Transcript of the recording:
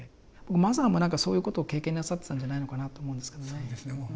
僕マザーも何かそういうことを経験なさってたんじゃないのかなと思うんですけどね。